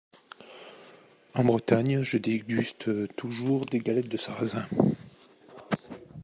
En Bretagne, je déguste toujours des galettes de sarrasin.